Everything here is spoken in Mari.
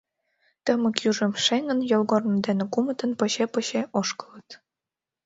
Тымык южым шеҥын, йолгорно дене кумытын поче-поче ошкылыт.